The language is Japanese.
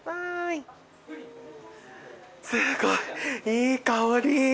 すごいいい香り。